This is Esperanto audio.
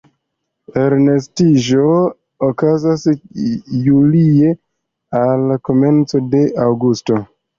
Elnestiĝo okazas julie al komenco de aŭgusto.